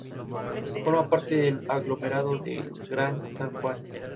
Forma parte del aglomerado del Gran San Juan.